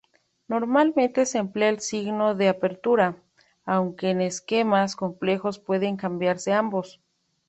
Normalmente se emplea el signo de apertura, aunque en esquemas complejos pueden combinarse ambos.